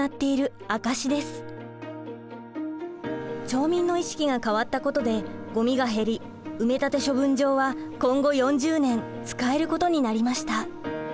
町民の意識が変わったことでごみが減り埋め立て処分場は今後４０年使えることになりました。